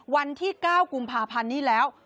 วันที่๙กุมภาพันธ์นี้แล้ว